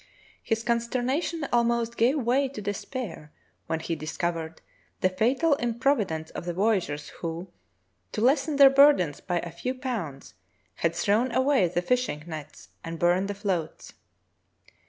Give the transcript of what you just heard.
His consternation almost gave way to despair when he discovered the fatal improvidence of the voya geurs, who, to lessen their burdens by a few pounds, had thrown away the fishing nets and burned the floats.